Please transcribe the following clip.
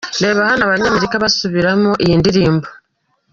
Reba hano aba banyamerika basubiramo iyi ndirimbo .